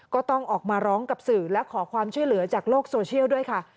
ก็ต้องออกมาร้องกับสื่อและขอความช่วยเหลือจากโลกโซเชียลด้วยค่ะ